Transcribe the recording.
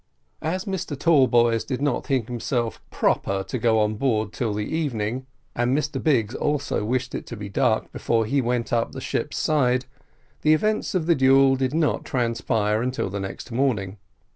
As Mr Tallboys did not himself think proper to go on board till the evening, and Mr Biggs also wished it to be dark before he went up the ship's side, the events of the duel did not transpire till the next morning.